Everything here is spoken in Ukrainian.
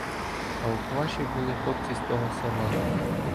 А у Кваші були хлопці з того села.